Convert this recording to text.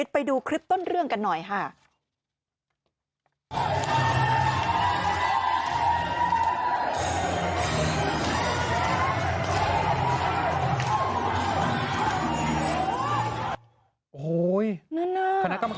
ไปดูคลิปต้นเรื่องกันหน่อยค่ะ